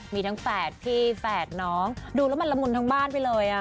มีทั้งแฝดพี่แฝดน้องดูแล้วมันละมุนทั้งบ้านไปเลย